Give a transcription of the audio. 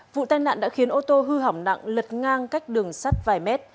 vụ tai nạn đã khiến ô tô hư hỏng nặng lật ngang cách đường sắt vài mét